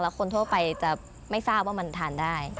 คนทั่วไปจะไม่ทราบว่ามันทานได้